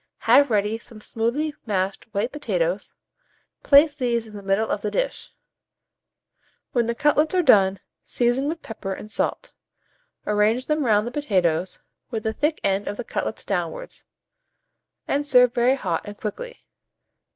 Have ready some smoothly mashed white potatoes; place these in the middle of the dish; when the cutlets are done, season with pepper and salt; arrange them round the potatoes, with the thick end of the cutlets downwards, and serve very hot and quickly.